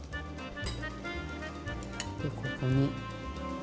でここに。